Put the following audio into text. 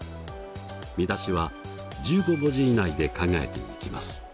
見出しは１５文字以内で考えていきます。